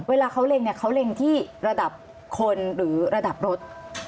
เวลาเขาเล็งเนี่ยเขาเล็งที่ระดับคนหรือระดับรถ